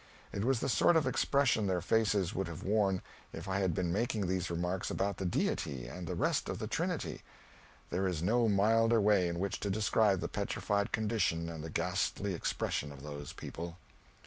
It was the sort of expression their faces would have worn if I had been making these remarks about the Deity and the rest of the Trinity; there is no milder way in which to describe the petrified condition and the ghastly expression of those people.